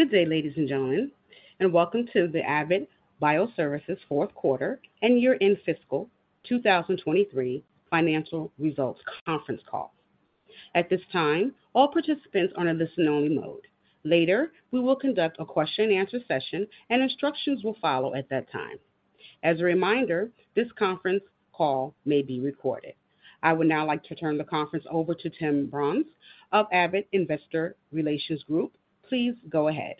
Good day, ladies and gentlemen, and welcome to the Avid Bioservices fourth quarter and year-end fiscal 2023 financial results conference call. At this time, all participants are in listen-only mode. Later, we will conduct a question and answer session. Instructions will follow at that time. As a reminder, this conference call may be recorded. I would now like to turn the conference over to Tim Brons of Avid Investor Relations Group. Please go ahead.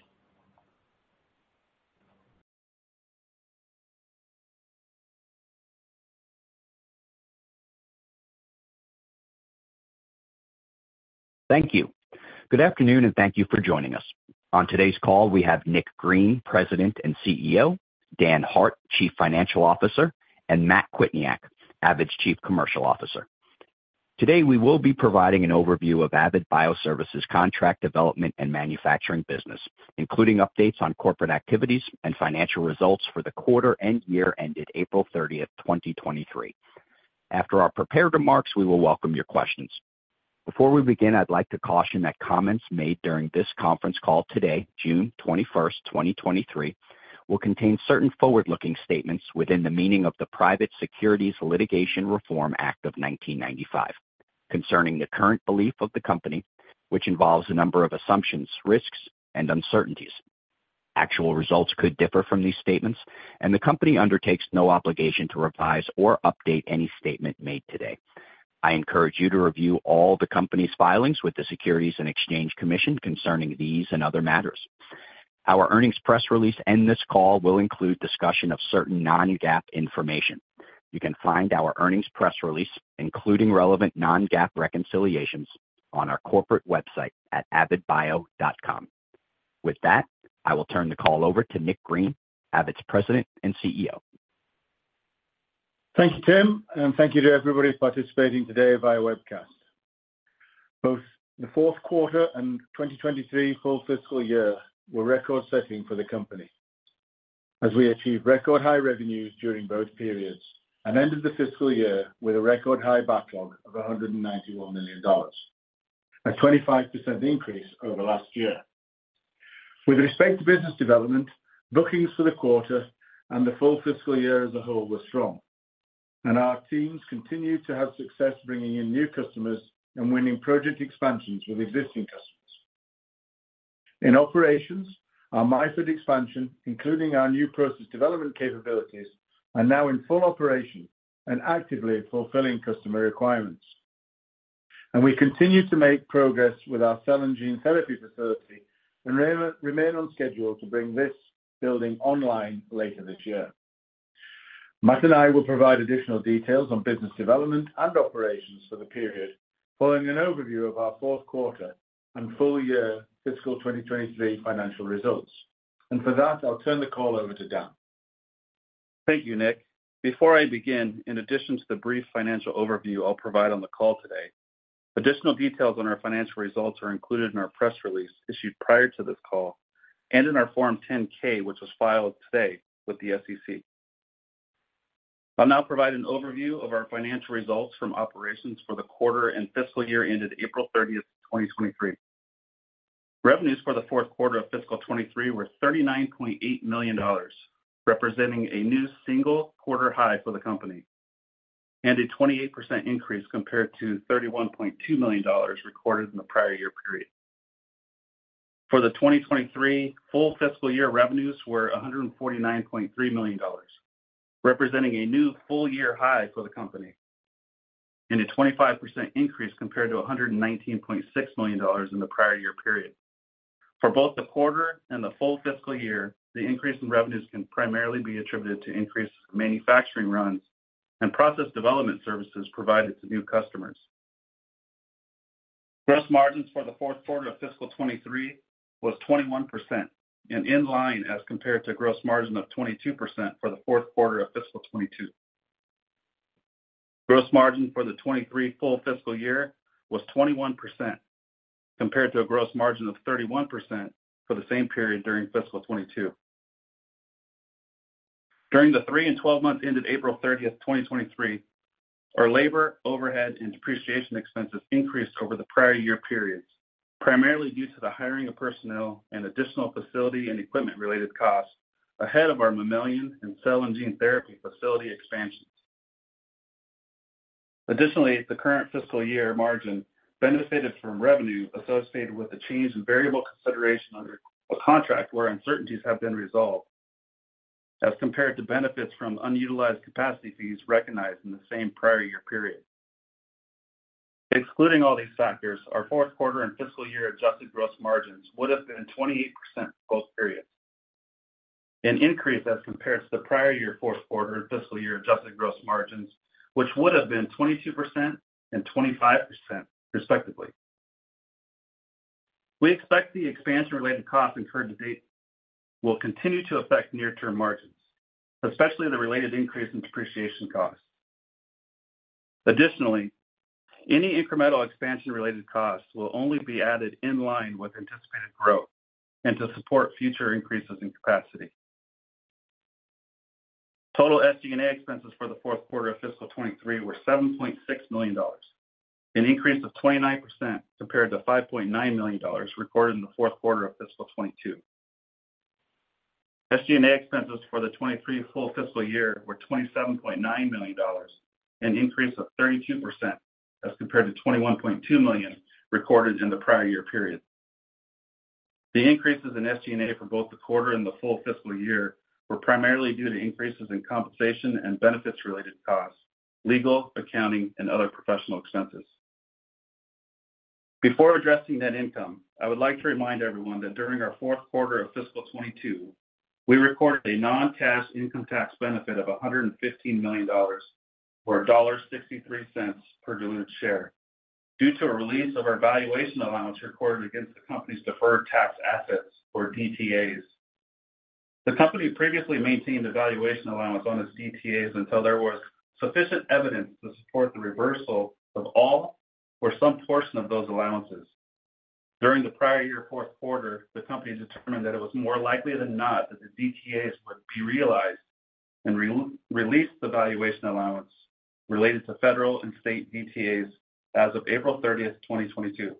Thank you. Good afternoon, and thank you for joining us. On today's call, we have Nick Green, President and CEO, Dan Hart, Chief Financial Officer, and Matt Kwietniak, Avid's Chief Commercial Officer. Today, we will be providing an overview of Avid Bioservices contract development and manufacturing business, including updates on corporate activities and financial results for the quarter and year ended April 30, 2023. After our prepared remarks, we will welcome your questions. Before we begin, I'd like to caution that comments made during this conference call today, June 21, 2023, will contain certain forward-looking statements within the meaning of the Private Securities Litigation Reform Act of 1995, concerning the current belief of the company, which involves a number of assumptions, risks and uncertainties. Actual results could differ from these statements, and the company undertakes no obligation to revise or update any statement made today. I encourage you to review all the company's filings with the Securities and Exchange Commission concerning these and other matters. Our earnings press release and this call will include discussion of certain non-GAAP information. You can find our earnings press release, including relevant non-GAAP reconciliations, on our corporate website at avidbio.com. With that, I will turn the call over to Nick Green, Avid's President and CEO. Thank you, Tim, thank you to everybody participating today via webcast. Both the fourth quarter and 2023 full fiscal year were record-setting for the company as we achieved record-high revenues during both periods and ended the fiscal year with a record-high backlog of $191 million, a 25% increase over last year. With respect to business development, bookings for the quarter and the full fiscal year as a whole were strong, and our teams continued to have success bringing in new customers and winning project expansions with existing customers. In operations, our Myford expansion, including our new process development capabilities, are now in full operation and actively fulfilling customer requirements. We continue to make progress with our cell and gene therapy facility and remain on schedule to bring this building online later this year. Matt and I will provide additional details on business development and operations for the period, following an overview of our fourth quarter and full year fiscal 2023 financial results, and for that, I'll turn the call over to Dan. Thank you, Nick. Before I begin, in addition to the brief financial overview I'll provide on the call today, additional details on our financial results are included in our press release issued prior to this call and in our Form 10-K, which was filed today with the SEC. I'll now provide an overview of our financial results from operations for the quarter and fiscal year ended April 30, 2023. Revenues for the fourth quarter of fiscal 2023 were $39.8 million, representing a new single-quarter high for the company and a 28% increase compared to $31.2 million recorded in the prior year period. For the 2023 full fiscal year, revenues were $149.3 million, representing a new full-year high for the company and a 25% increase compared to $119.6 million in the prior year period. For both the quarter and the full fiscal year, the increase in revenues can primarily be attributed to increased manufacturing runs and process development services provided to new customers. Gross margins for the fourth quarter of fiscal 2023 was 21% and in line as compared to gross margin of 22% for the fourth quarter of fiscal 2022. Gross margin for the 2023 full fiscal year was 21%, compared to a gross margin of 31% for the same period during fiscal 2022. During the 3 and 12 months ended April 30, 2023, our labor, overhead, and depreciation expenses increased over the prior year periods, primarily due to the hiring of personnel and additional facility and equipment-related costs ahead of our mammalian and cell and gene therapy facility expansions. Additionally, the current fiscal year margin benefited from revenue associated with the change in variable consideration under a contract where uncertainties have been resolved, as compared to benefits from unutilized capacity fees recognized in the same prior year period. Excluding all these factors, our fourth quarter and fiscal year adjusted gross margins would have been 28% both periods, an increase as compared to the prior year fourth quarter and fiscal year adjusted gross margins, which would have been 22% and 25% respectively. We expect the expansion-related costs incurred to date will continue to affect near-term margins, especially the related increase in depreciation costs. Additionally, any incremental expansion-related costs will only be added in line with anticipated growth and to support future increases in capacity. Total SG&A expenses for the fourth quarter of fiscal 2023 were $7.6 million, an increase of 29% compared to $5.9 million recorded in the fourth quarter of fiscal 2022. SG&A expenses for the 2023 full fiscal year were $27.9 million, an increase of 32% as compared to $21.2 million recorded in the prior year period. The increases in SG&A for both the quarter and the full fiscal year were primarily due to increases in compensation and benefits-related costs, legal, accounting, and other professional expenses. Before addressing net income, I would like to remind everyone that during our 4th quarter of fiscal 2022, we recorded a non-cash income tax benefit of $115 million, or $1.63 per diluted share, due to a release of our valuation allowance recorded against the company's deferred tax assets, or DTAs. The company previously maintained a valuation allowance on its DTAs until there was sufficient evidence to support the reversal of all or some portion of those allowances. During the prior year 4th quarter, the company determined that it was more likely than not that the DTAs would be realized and re-release the valuation allowance related to federal and state DTAs as of April 30, 2022.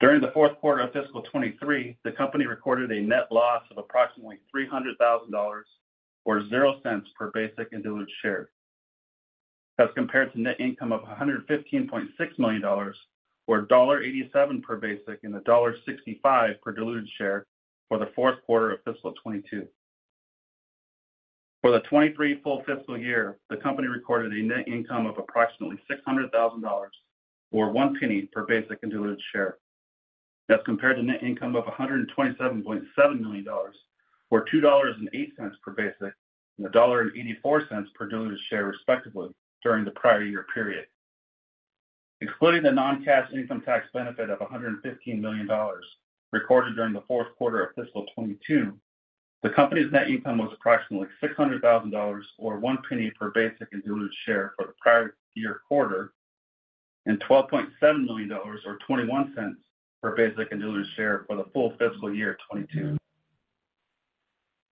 During the fourth quarter of fiscal 2023, the company recorded a net loss of approximately $300,000, or $0.00 per basic and diluted share, as compared to net income of $115.6 million, or $1.87 per basic and $1.65 per diluted share for the fourth quarter of fiscal 2022. For the 2023 full fiscal year, the company recorded a net income of approximately $600,000, or $0.01 per basic and diluted share. That's compared to net income of $127.7 million, or $2.08 per basic, and $1.84 per diluted share, respectively, during the prior year period. Excluding the non-cash income tax benefit of $115 million recorded during the fourth quarter of fiscal 2022, the company's net income was approximately $600,000 or $0.01 per basic and diluted share for the prior year quarter, and $12.7 million or $0.21 per basic and diluted share for the full fiscal year 2022.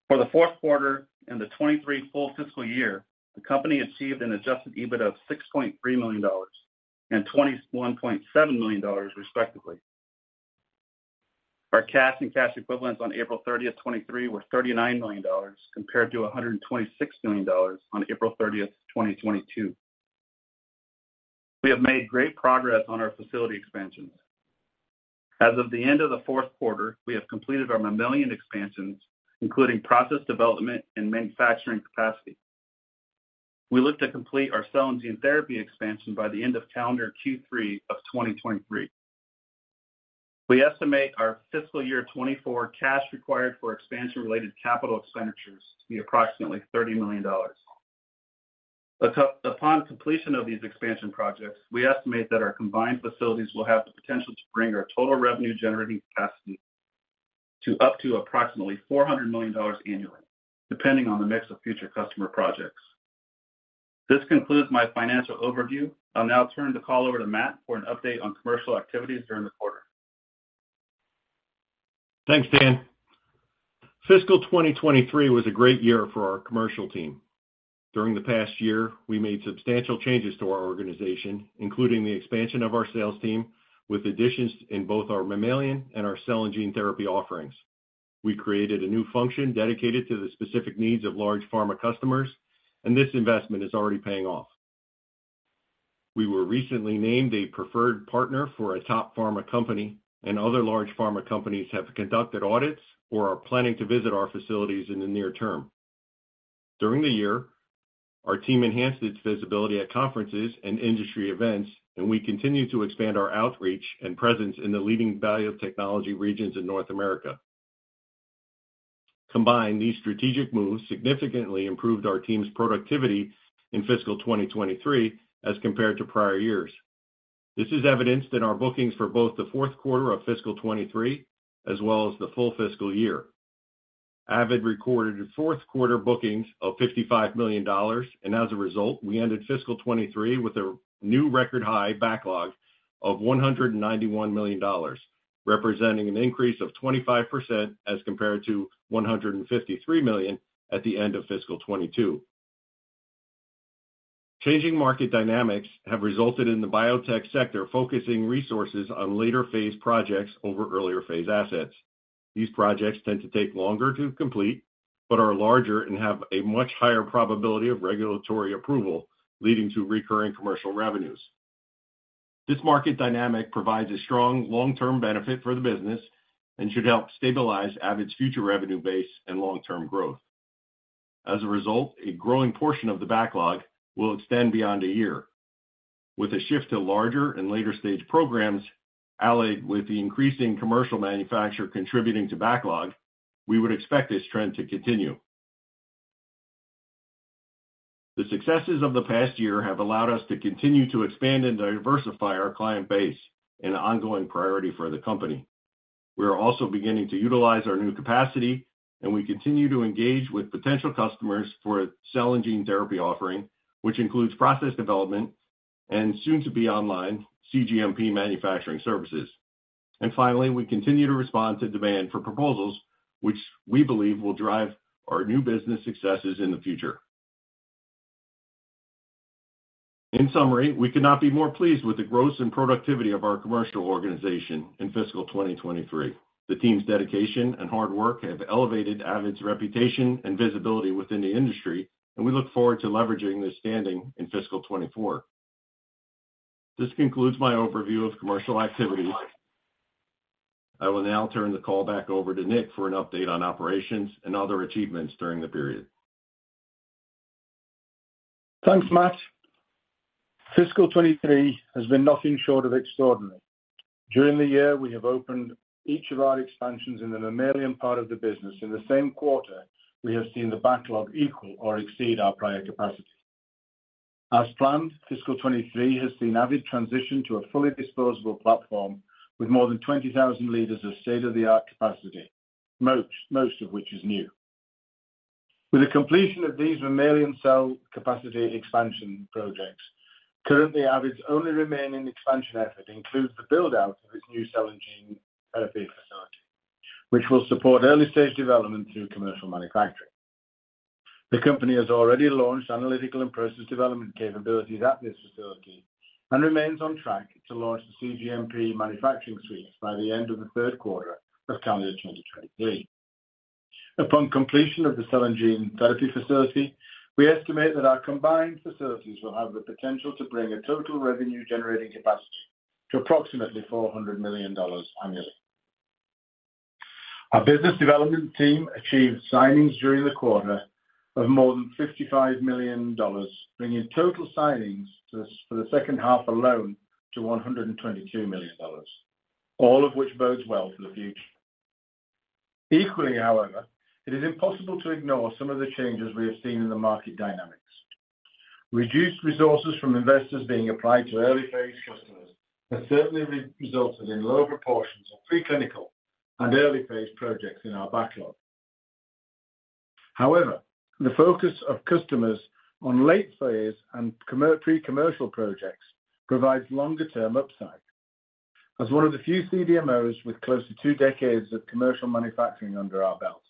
For the fourth quarter and the 2023 full fiscal year, the company achieved an adjusted EBIT of $6.3 million and $21.7 million, respectively. Our cash and cash equivalents on April 30, 2023, were $39 million, compared to $126 million on April 30, 2022. We have made great progress on our facility expansions. As of the end of the fourth quarter, we have completed our mammalian expansions, including process development and manufacturing capacity. We look to complete our cell and gene therapy expansion by the end of calendar Q3 of 2023. We estimate our fiscal year 2024 cash required for expansion-related capital expenditures to be approximately $30 million. Upon completion of these expansion projects, we estimate that our combined facilities will have the potential to bring our total revenue-generating capacity to up to approximately $400 million annually, depending on the mix of future customer projects. This concludes my financial overview. I'll now turn the call over to Matt for an update on commercial activities during the quarter. Thanks, Dan. Fiscal 2023 was a great year for our commercial team. During the past year, we made substantial changes to our organization, including the expansion of our sales team, with additions in both our mammalian and our cell and gene therapy offerings. We created a new function dedicated to the specific needs of large pharma customers, and this investment is already paying off. We were recently named a preferred partner for a top pharma company, and other large pharma companies have conducted audits or are planning to visit our facilities in the near term. During the year, our team enhanced its visibility at conferences and industry events, and we continue to expand our outreach and presence in the leading valley of technology regions in North America. Combined, these strategic moves significantly improved our team's productivity in fiscal 2023 as compared to prior years. This is evidenced in our bookings for both the fourth quarter of fiscal 2023 as well as the full fiscal year. Avid recorded fourth quarter bookings of $55 million, and as a result, we ended fiscal 2023 with a new record high backlog of $191 million, representing an increase of 25% as compared to $153 million at the end of fiscal 2022. Changing market dynamics have resulted in the biotech sector focusing resources on later-phase projects over earlier-phase assets. These projects tend to take longer to complete, but are larger and have a much higher probability of regulatory approval, leading to recurring commercial revenues. This market dynamic provides a strong long-term benefit for the business and should help stabilize Avid's future revenue base and long-term growth. As a result, a growing portion of the backlog will extend beyond a year. With a shift to larger and later-stage programs, allied with the increasing commercial manufacture contributing to backlog, we would expect this trend to continue. The successes of the past year have allowed us to continue to expand and diversify our client base, an ongoing priority for the company. We are also beginning to utilize our new capacity, and we continue to engage with potential customers for a cell and gene therapy offering, which includes process development and soon-to-be-online cGMP manufacturing services. Finally, we continue to respond to demand for proposals, which we believe will drive our new business successes in the future. In summary, we could not be more pleased with the growth and productivity of our commercial organization in fiscal 2023. The team's dedication and hard work have elevated Avid's reputation and visibility within the industry, and we look forward to leveraging this standing in fiscal 2024. This concludes my overview of commercial activity. I will now turn the call back over to Nick for an update on operations and other achievements during the period. Thanks, Matt. Fiscal 2023 has been nothing short of extraordinary. During the year, we have opened each of our expansions in the mammalian part of the business. In the same quarter, we have seen the backlog equal or exceed our prior capacity. As planned, fiscal 2023 has seen Avid transition to a fully disposable platform with more than 20,000 liters of state-of-the-art capacity, most of which is new. With the completion of these mammalian cell capacity expansion projects, currently, Avid's only remaining expansion effort includes the build-out of its new cell and gene therapy facility, which will support early-stage development through commercial manufacturing. The company has already launched analytical and process development capabilities at this facility and remains on track to launch the cGMP manufacturing suites by the end of the third quarter of calendar 2023. Upon completion of the cell and gene therapy facility, we estimate that our combined facilities will have the potential to bring a total revenue-generating capacity to approximately $400 million annually. Our business development team achieved signings during the quarter of more than $55 million, bringing total signings for the second half alone to $122 million, all of which bodes well for the future. However, it is impossible to ignore some of the changes we have seen in the market dynamics. Reduced resources from investors being applied to early-phase customers have certainly resulted in lower proportions of preclinical and early-phase projects in our backlog. However, the focus of customers on late phase and pre-commercial projects provides longer-term upside. As one of the few CDMOs with close to two decades of commercial manufacturing under our belt,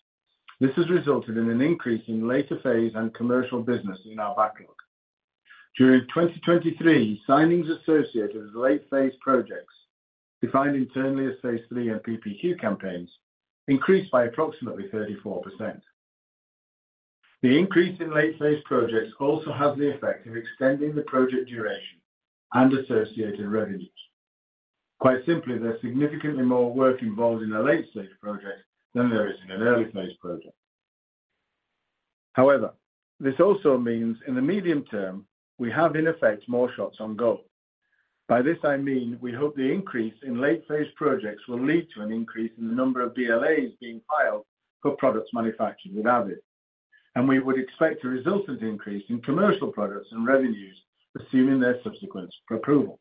this has resulted in an increase in later phase and commercial business in our backlog. During 2023, signings associated with late phase projects, defined internally as phase III and PPQ campaigns, increased by approximately 34%. The increase in late phase projects also has the effect of extending the project duration and associated revenues. Quite simply, there's significantly more work involved in a late-stage project than there is in an early-phase project. However, this also means in the medium term, we have, in effect, more shots on goal. By this, I mean we hope the increase in late-phase projects will lead to an increase in the number of BLAs being filed for products manufactured with Avid, and we would expect a resultant increase in commercial products and revenues, assuming their subsequent approval.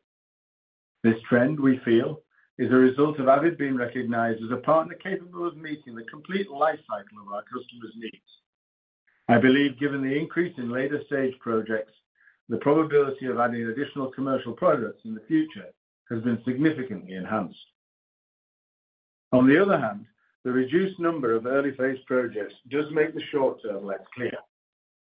This trend, we feel, is a result of Avid being recognized as a partner capable of meeting the complete life cycle of our customers' needs. I believe, given the increase in later-stage projects, the probability of adding additional commercial products in the future has been significantly enhanced. On the other hand, the reduced number of early-phase projects does make the short term less clear.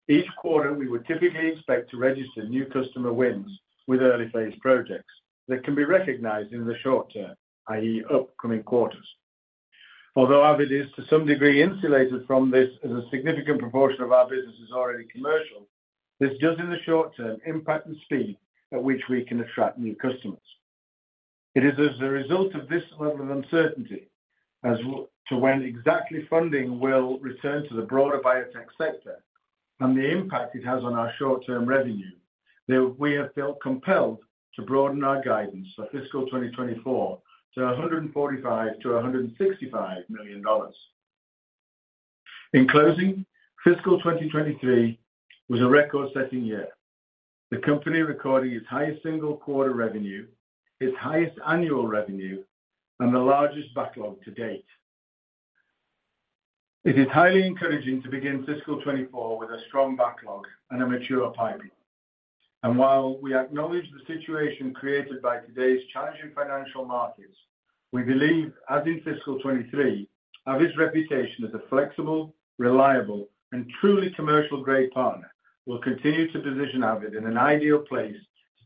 Each quarter, we would typically expect to register new customer wins with early-phase projects that can be recognized in the short term, i.e., upcoming quarters. Although Avid is to some degree insulated from this, as a significant proportion of our business is already commercial, this does in the short term impact the speed at which we can attract new customers. It is as a result of this level of uncertainty as to when exactly funding will return to the broader biotech sector and the impact it has on our short-term revenue, that we have felt compelled to broaden our guidance for fiscal 2024 to $145 million-$165 million. In closing, fiscal 2023 was a record-setting year. The company recorded its highest single-quarter revenue, its highest annual revenue, and the largest backlog to date. It is highly encouraging to begin fiscal 2024 with a strong backlog and a mature pipeline. While we acknowledge the situation created by today's challenging financial markets, we believe, as in fiscal 2023, Avid's reputation as a flexible, reliable, and truly commercial-grade partner will continue to position Avid in an ideal place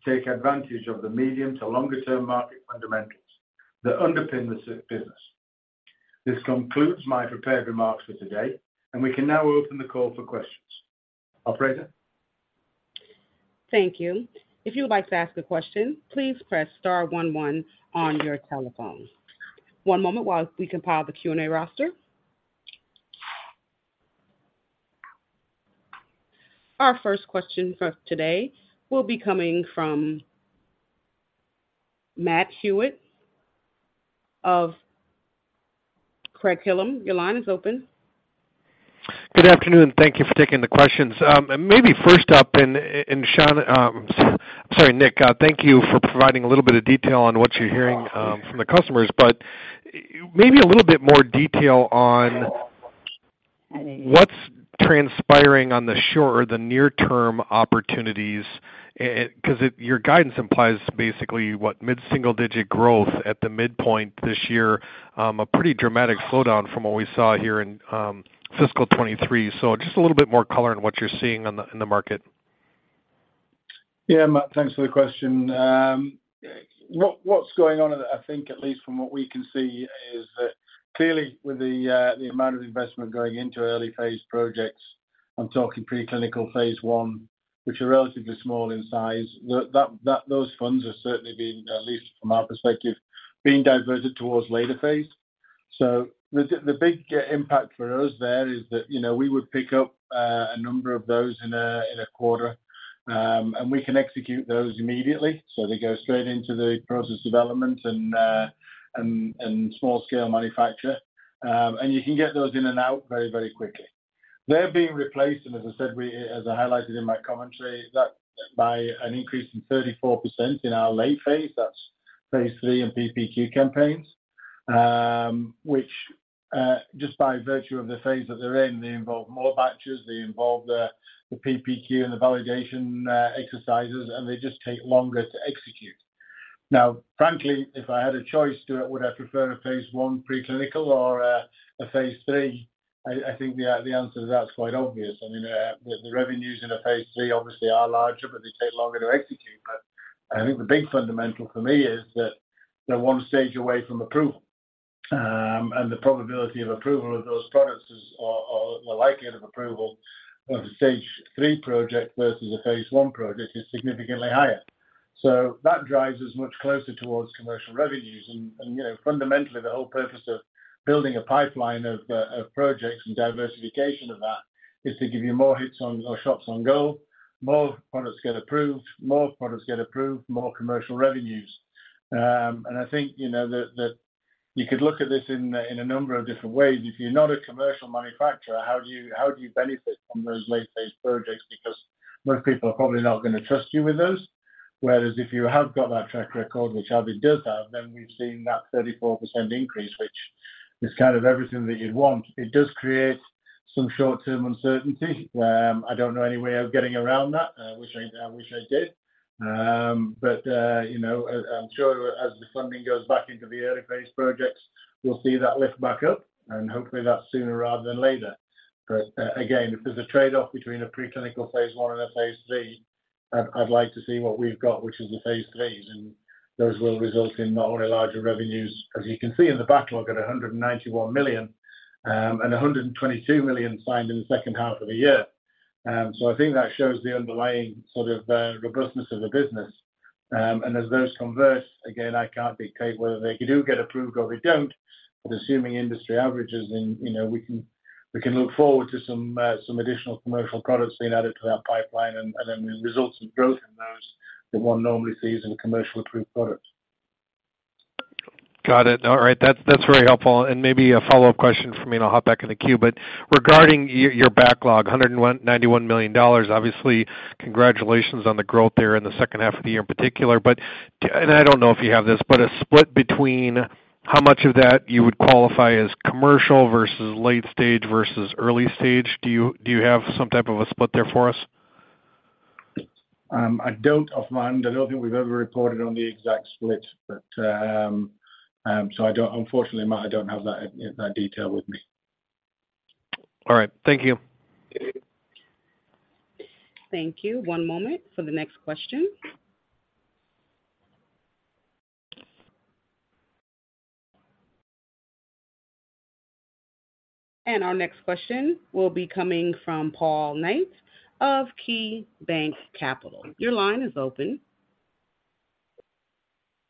to take advantage of the medium to longer-term market fundamentals that underpin the business. This concludes my prepared remarks for today, and we can now open the call for questions. Operator? Thank you. If you would like to ask a question, please press Star one one on your telephone. One moment while we compile the Q&A roster. Our first question for today will be coming from Matt Hewitt of Craig-Hallum. Your line is open. Good afternoon. Thank you for taking the questions. Maybe first up, Nick, thank you for providing a little bit of detail on what you're hearing from the customers. Maybe a little bit more detail on what's transpiring on the short or the near-term opportunities? 'cause it, your guidance implies basically, what, mid-single-digit growth at the midpoint this year, a pretty dramatic slowdown from what we saw here in fiscal 2023. Just a little bit more color on what you're seeing in the market. Yeah, Matt, thanks for the question. What's going on, I think, at least from what we can see, is that clearly, with the amount of investment going into early-phase projects, I'm talking preclinical phase I, which are relatively small in size, those funds are certainly being, at least from our perspective, being diverted towards later phase. The big impact for us there is that, you know, we would pick up a number of those in a quarter, and we can execute those immediately. They go straight into the process development and small-scale manufacture. You can get those in and out very, very quickly. They're being replaced, as I highlighted in my commentary, by an increase in 34% in our late phase, that's phase III and PPQ campaigns, which just by virtue of the phase that they're in, they involve more batches, they involve the PPQ and the validation exercises, and they just take longer to execute. Frankly, if I had a choice, Stuart, would I prefer a phase I preclinical or a phase III? I think the answer to that is quite obvious. I mean, the revenues in a phase III obviously are larger, but they take longer to execute. I think the big fundamental for me is that they're one stage away from approval. The probability of approval of those products is, or the likelihood of approval of a phase III project versus a phase I project, is significantly higher. That drives us much closer towards commercial revenues. You know, fundamentally, the whole purpose of building a pipeline of projects and diversification of that is to give you more hits on or shots on goal, more products get approved, more commercial revenues. I think, you know, you could look at this in a number of different ways. If you're not a commercial manufacturer, how do you benefit from those late-phase projects? Because most people are probably not gonna trust you with those. If you have got that track record, which Avid does have, we've seen that 34% increase, which is kind of everything that you'd want. It does create some short-term uncertainty. I don't know any way of getting around that, which I wish I did. You know, as I'm sure as the funding goes back into the early-phase projects, we'll see that lift back up, and hopefully that's sooner rather than later. Again, if there's a trade-off between a preclinical phase I and a phase III, I'd like to see what we've got, which is the phase III, and those will result in not only larger revenues. As you can see in the backlog, at $191 million, and $122 million signed in the second half of the year. I think that shows the underlying sort of robustness of the business. As those converse, again, I can't dictate whether they do get approved or they don't, but assuming industry averages then, you know, we can look forward to some additional commercial products being added to our pipeline and then the results and growth in those that one normally sees in commercial approved products. Got it. All right. That's very helpful. Maybe a follow-up question for me, and I'll hop back in the queue. Regarding your backlog, $191 million, obviously, congratulations on the growth there in the second half of the year in particular. I don't know if you have this, but a split between how much of that you would qualify as commercial versus late stage versus early stage. Do you have some type of a split there for us? I don't, offhand. I don't think we've ever reported on the exact split, but unfortunately, Matt, I don't have that detail with me. All right. Thank you. Thank you. One moment for the next question. Our next question will be coming from Paul Knight of KeyBanc Capital. Your line is open.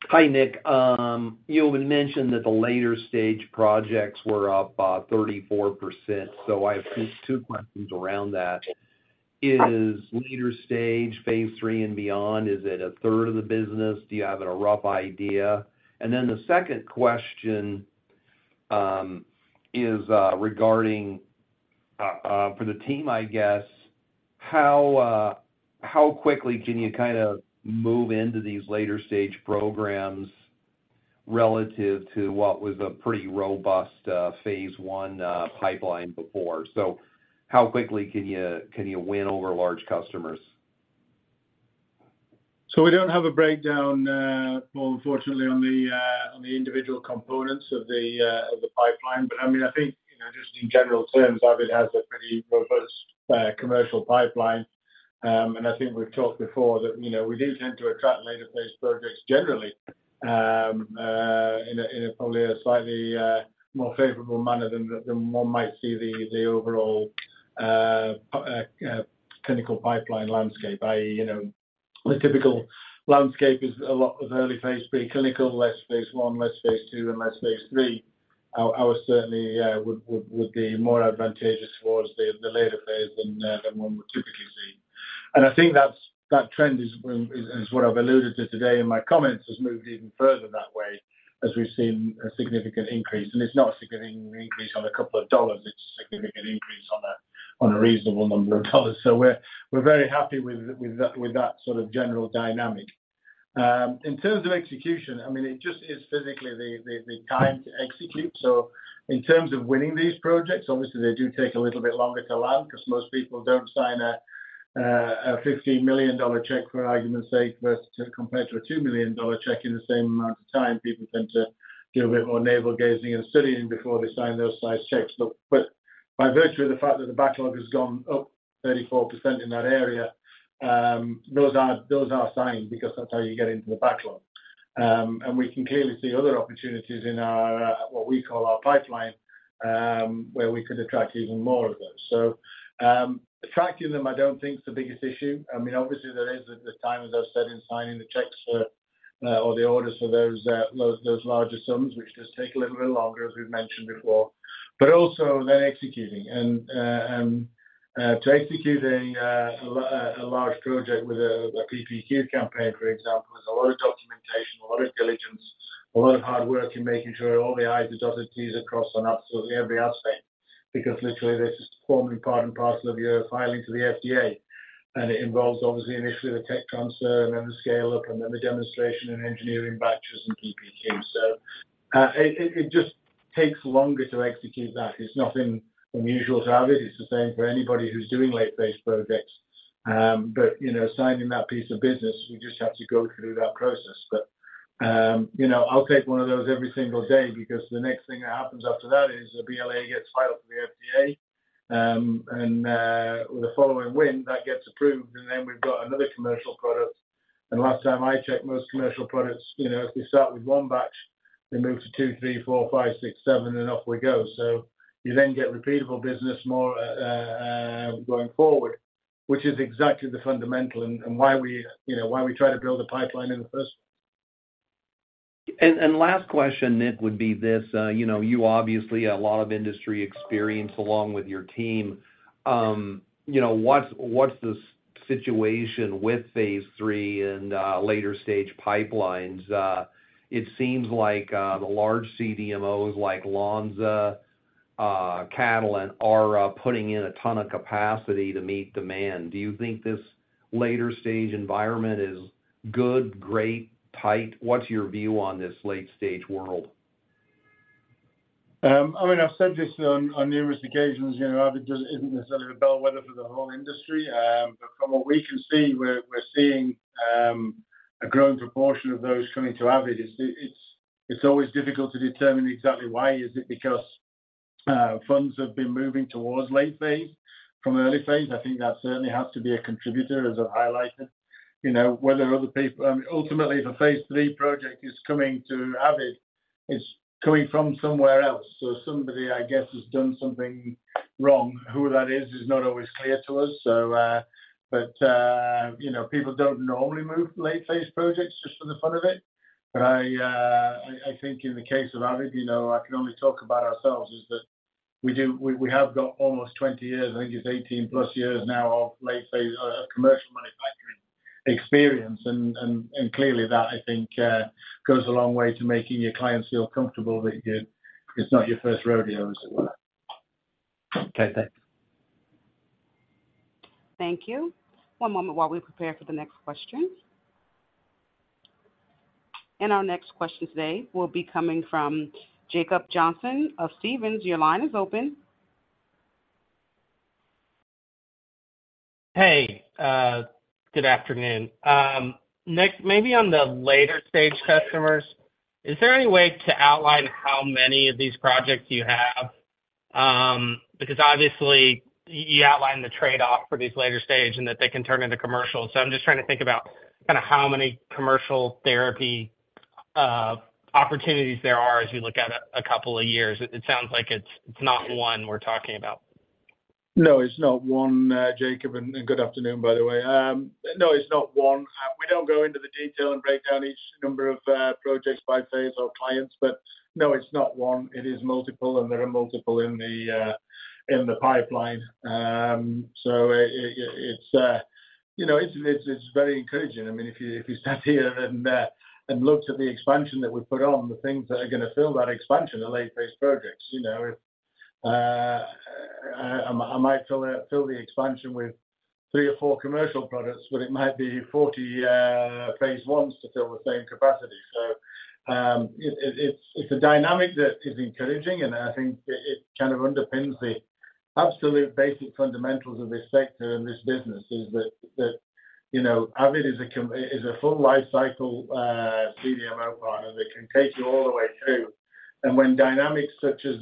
Hi, Nick. You had mentioned that the later stage projects were up 34%, I have two questions around that. Is later stage, phase III and beyond, is it a third of the business? Do you have a rough idea? The second question is regarding for the team, I guess, how quickly can you kinda move into these later stage programs relative to what was a pretty robust phase I pipeline before? How quickly can you win over large customers? We don't have a breakdown, unfortunately, on the individual components of the pipeline. I mean, I think, you know, just in general terms, Avid has a pretty robust commercial pipeline. And I think we've talked before that, you know, we do tend to attract later-phase projects generally, in a probably a slightly more favorable manner than one might see the overall clinical pipeline landscape. I, you know, the typical landscape is a lot of early phase III clinical, less phase I, less phase II, and less phase III. Our, ours certainly would be more advantageous towards the later phase than one would typically see. I think that's, that trend is what I've alluded to today in my comments, has moved even further that way as we've seen a significant increase. It's not a significant increase on a couple of dollars, it's a significant increase on a reasonable number of dollars. We're very happy with that sort of general dynamic. In terms of execution, I mean, it just is physically the time to execute. In terms of winning these projects, obviously they do take a little bit longer to land because most people don't sign a $50 million check, for argument's sake, compared to a $2 million check in the same amount of time. People tend to do a bit more navel gazing and sitting before they sign those size checks. By virtue of the fact that the backlog has gone up 34% in that area, those are signed because that's how you get into the backlog. We can clearly see other opportunities in our, what we call our pipeline, where we could attract even more of those. Attracting them, I don't think is the biggest issue. I mean, obviously, there is the time, as I've said, in signing the checks for, or the orders for those larger sums, which just take a little bit longer, as we've mentioned before, but also then executing. To execute a large project with a PPQ campaign, for example, there's a lot of documentation, a lot of diligence, a lot of hard work in making sure all the I's are dotted, T's are crossed on absolutely every aspect, because literally, this is formally part and parcel of your filing to the FDA. It involves, obviously, initially the tech transfer and then the scale-up, and then the demonstration and engineering batches and PPQ. It just takes longer to execute that. It's nothing unusual to have it. It's the same for anybody who's doing late phase projects. You know, signing that piece of business, we just have to go through that process. You know, I'll take one of those every single day because the next thing that happens after that is the BLA gets filed with the FDA, and with the following wind, that gets approved, and then we've got another commercial product. Last time I checked, most commercial products, you know, if we start with one batch, we move to two, three, four, five, six, seven, and off we go. You then get repeatable business more going forward, which is exactly the fundamental and why we, you know, why we try to build a pipeline in the first place. Last question, Nick, would be this, you know, you obviously a lot of industry experience along with your team. You know, what's the situation with phase III and later stage pipelines? It seems like the large CDMOs like Lonza, Catalent are putting in a ton of capacity to meet demand. Do you think this later stage environment is good, great, tight? What's your view on this late stage world? I mean, I've said this on numerous occasions, you know, Avid isn't necessarily a bellwether for the whole industry. From what we can see, we're seeing a growing proportion of those coming to Avid. It's always difficult to determine exactly why. Is it because funds have been moving towards late phase from early phase? I think that certainly has to be a contributor, as I've highlighted. You know, whether other people... Ultimately, if a phase III project is coming to Avid, it's coming from somewhere else. Somebody, I guess, has done something wrong. Who that is not always clear to us. You know, people don't normally move late phase projects just for the fun of it. I think in the case of Avid, you know, I can only talk about ourselves, is that we have got almost 20 years, I think it's 18 plus years now, of late phase, commercial manufacturing experience, and clearly, that, I think, goes a long way to making your clients feel comfortable that it's not your first rodeo, as it were. Okay, thanks. Thank you. One moment while we prepare for the next question. Our next question today will be coming from Jacob Johnson of Stephens. Your line is open. Hey, good afternoon. Nick, maybe on the later stage customers, is there any way to outline how many of these projects you have? Because obviously, you outlined the trade-off for these later stage and that they can turn into commercial. I'm just trying to think about kinda how many commercial therapy opportunities there are as you look at a couple of years. It sounds like it's not one we're talking about. No, it's not one, Jacob, and good afternoon, by the way. No, it's not one. We don't go into the detail and break down each number of projects by phase or clients, but no, it's not one. It is multiple, and there are multiple in the pipeline. It's, you know, it's very encouraging. I mean, if you sat here and looked at the expansion that we've put on, the things that are going to fill that expansion are late phase projects. You know, I might fill the expansion with three or four commercial products, but it might be 40 phase Is to fill the same capacity. It's a dynamic that is encouraging, and I think it kind of underpins the absolute basic fundamentals of this sector and this business is that, you know, Avid is a full life cycle CDMO partner that can take you all the way through. When dynamics such as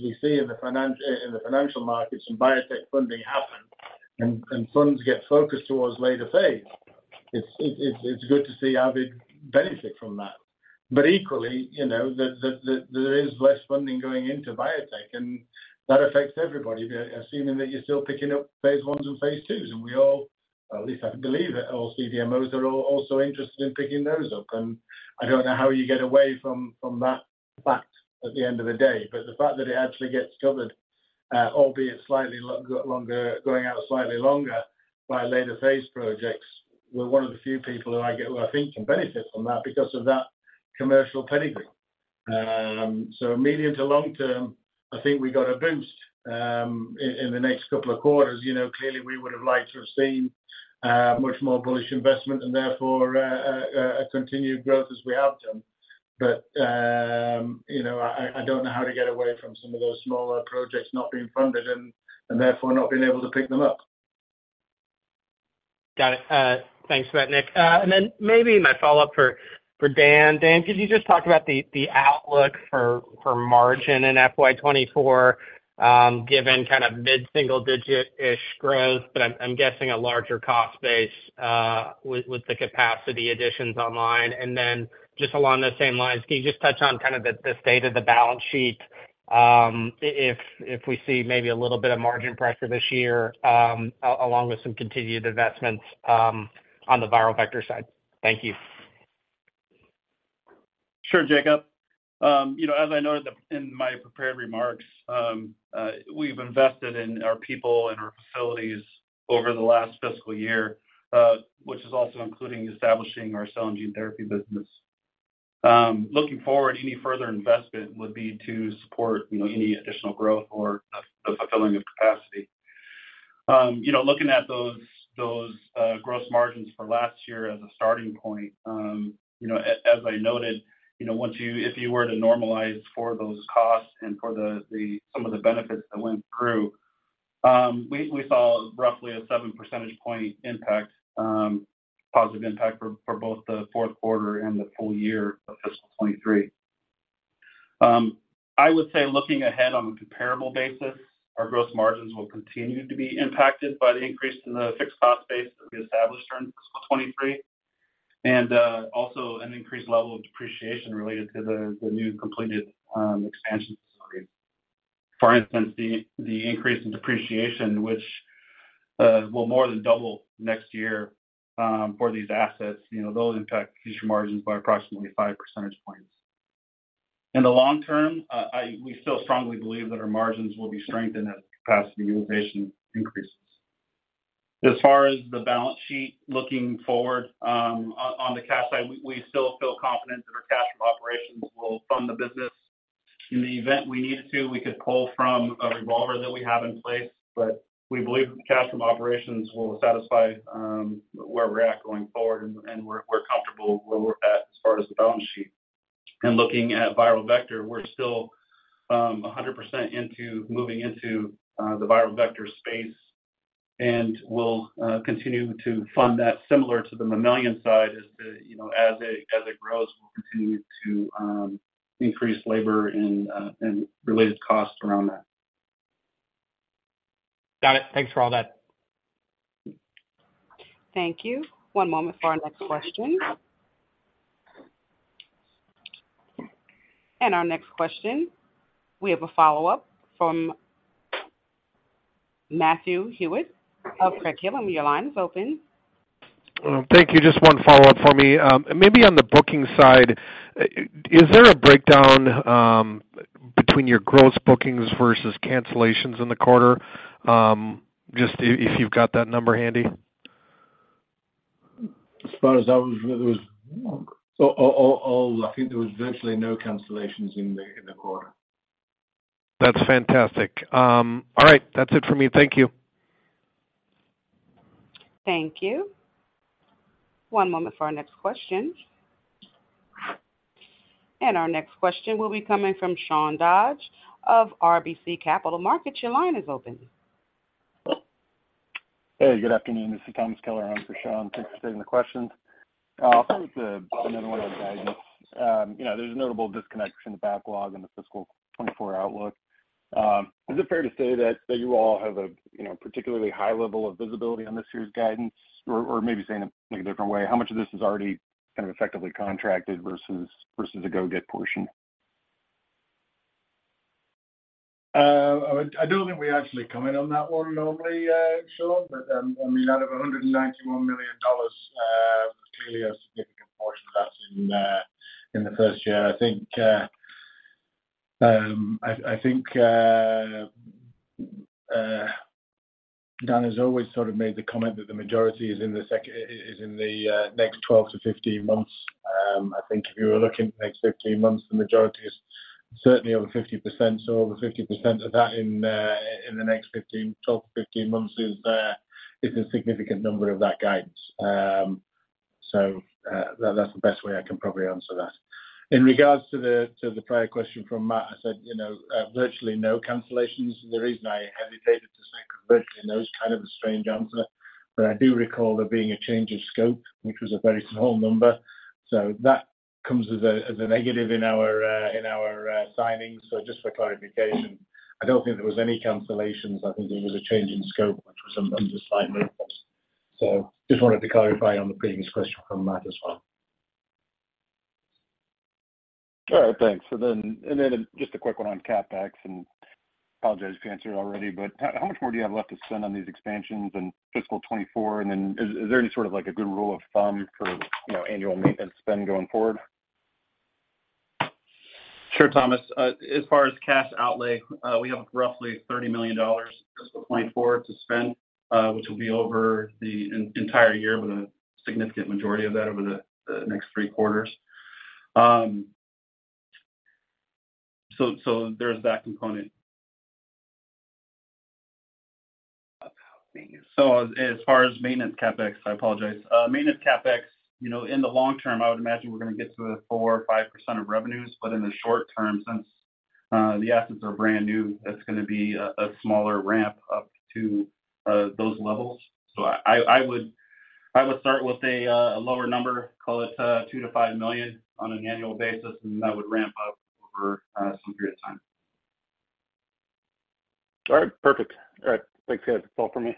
we see in the financial markets and biotech funding happen, and funds get focused towards later phase, it's good to see Avid benefit from that. Equally, you know, the, there is less funding going into biotech, and that affects everybody, assuming that you're still picking up phase Is and phase IIs. We all, at least I believe it, all CDMOs are also interested in picking those up. I don't know how you get away from that fact at the end of the day, but the fact that it actually gets covered, albeit slightly longer, going out slightly longer by later phase projects, we're one of the few people who I get, who I think can benefit from that because of that commercial pedigree. Medium to long term, I think we got a boost in the next couple of quarters. You know, clearly we would have liked to have seen much more bullish investment and therefore a continued growth as we have done. You know, I don't know how to get away from some of those smaller projects not being funded and therefore not being able to pick them up. Got it. Thanks for that, Nick Green. Maybe my follow-up for Dan. Dan, could you just talk about the outlook for margin in FY 2024, given kind of mid single digit-ish growth, but I'm guessing a larger cost base, with the capacity additions online. Just along the same lines, can you just touch on kind of the state of the balance sheet, if we see maybe a little bit of margin pressure this year, along with some continued investments, on the viral vector side? Thank you. Sure, Jacob. You know, as I noted in my prepared remarks, we've invested in our people and our facilities over the last fiscal year, which is also including establishing our cell and gene therapy business. Looking forward, any further investment would be to support, you know, any additional growth or the fulfilling of capacity. You know, looking at those gross margins for last year as a starting point, you know, as I noted, you know, if you were to normalize for those costs and for the some of the benefits that went through, we saw roughly a 7 percentage point impact, positive impact for both the fourth quarter and the full year of fiscal 2023. I would say, looking ahead on a comparable basis, our gross margins will continue to be impacted by the increase in the fixed cost base that we established during fiscal 2023, also an increased level of depreciation related to the new completed expansion story. For instance, the increase in depreciation, which will more than double next year, for these assets, you know, they'll impact future margins by approximately 5 percentage points. In the long term, we still strongly believe that our margins will be strengthened as capacity utilization increases. As far as the balance sheet, looking forward, on the cash side, we still feel confident that our cash from operations will fund the business. In the event we needed to, we could pull from a revolver that we have in place, but we believe the cash from operations will satisfy where we're at going forward, and we're comfortable where we're at as far as the balance sheet. Looking at viral vector, we're still 100% into moving into the viral vector space, and we'll continue to fund that similar to the mammalian side, as the, you know, as it grows, we'll continue to increase labor and related costs around that. Got it. Thanks for all that. Thank you. One moment for our next question. Our next question, we have a follow-up from Matthew Hewitt of Craig-Hallum. Your line is open. Thank you. Just one follow-up for me. Maybe on the booking side, is there a breakdown between your gross bookings versus cancellations in the quarter, just if you've got that number handy? As far as I was, it was I think there was virtually no cancellations in the quarter. That's fantastic. All right, that's it for me. Thank you. Thank you. One moment for our next question. Our next question will be coming from Sean Dodge of RBC Capital Markets. Your line is open. Hey, good afternoon. This is Thomas Kelliher in for Sean. Thanks for taking the questions. I'll start with the, another one on guidance. You know, there's a notable disconnection to backlog in the fiscal 2024 outlook. Is it fair to say that you all have a, you know, particularly high level of visibility on this year's guidance? Maybe saying it in a different way, how much of this is already kind of effectively contracted versus a go-get portion? I don't think we actually comment on that one normally, Sean, but I mean, out of $191 million, clearly a significant portion of that's in the 1st year. I think Dan has always sort of made the comment that the majority is in the next 12 to 15 months. I think if you were looking the next 15 months, the majority is certainly over 50%. Over 50% of that in the next 15, 12 to 15 months is a significant number of that guidance. That's the best way I can probably answer that. In regards to the prior question from Matt, I said, you know, virtually no cancellations. The reason I hesitated to say virtually no is kind of a strange answer, but I do recall there being a change of scope, which was a very small number. That comes as a negative in our signings. Just for clarification, I don't think there was any cancellations. I think there was a change in scope, which was under slight impacts. Just wanted to clarify on the previous question from Matt as well. All right, thanks. Just a quick one on CapEx, and apologize if you answered already, but how much more do you have left to spend on these expansions in fiscal 2024? Is there any sort of like a good rule of thumb for, you know, annual maintenance spend going forward? Sure, Thomas. As far as cash outlay, we have roughly $30 million in fiscal 2024 to spend, which will be over the entire year, with a significant majority of that over the next three quarters. There's that component. As far as maintenance CapEx, I apologize. Maintenance CapEx, you know, in the long term, I would imagine we're going to get to a 4% or 5% of revenues, but in the short term, since the assets are brand new, that's going to be a smaller ramp up to those levels. I would start with a lower number, call it $2 million-$5 million on an annual basis, and that would ramp up over some period of time. All right. Perfect. All right. Thanks, guys. That's all for me.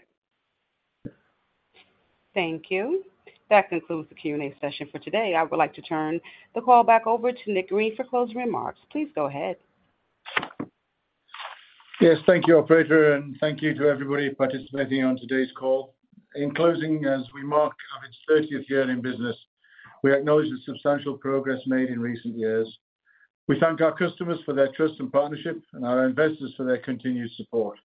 Thank you. That concludes the Q&A session for today. I would like to turn the call back over to Nick Green for closing remarks. Please go ahead. Yes, thank you, operator, and thank you to everybody participating on today's call. In closing, as we mark our 30th year in business, we acknowledge the substantial progress made in recent years. We thank our customers for their trust and partnership and our investors for their continued support.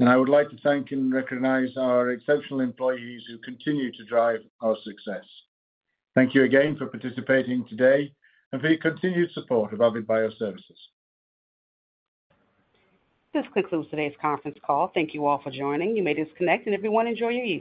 I would like to thank and recognize our exceptional employees who continue to drive our success. Thank you again for participating today and for your continued support of Avid Bioservices. This concludes today's conference call. Thank you all for joining. You may disconnect, and everyone, enjoy your evening.